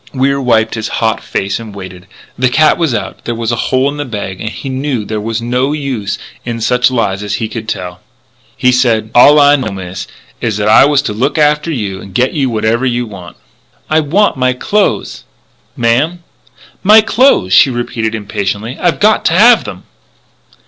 Wier wiped his hot face and waited. The cat was out; there was a hole in the bag; and he knew there was no use in such lies as he could tell. He said: "All I know, Miss, is that I was to look after you and get you whatever you want " "I want my clothes!" "Ma'am?" "My clothes!" she repeated impatiently. "I've got to have them!"